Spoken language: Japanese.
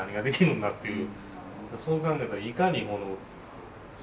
そう考えたらいかにこの。